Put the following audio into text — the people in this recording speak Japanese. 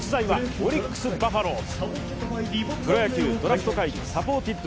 オリックス・バファローズ。